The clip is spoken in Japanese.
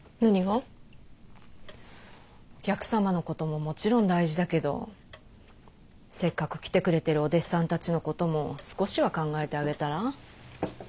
お客様のことももちろん大事だけどせっかく来てくれてるお弟子さんたちのことも少しは考えてあげたら。